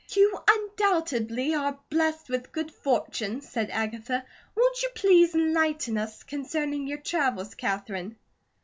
"You undoubtedly are blessed with good fortune," said Agatha. "Won't you please enlighten us concerning your travels, Katherine?"